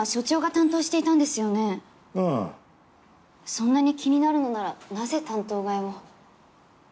そんなに気になるのならなぜ担当替えを？